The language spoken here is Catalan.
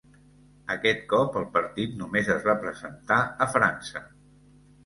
Aquest cop el partit només es va presentar a França.